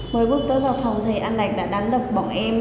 mới bước tới vào phòng thì anh đạt đã đánh đập bọn em